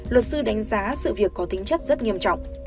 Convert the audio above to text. luật sư đánh giá sự việc có tính chất rất nghiêm trọng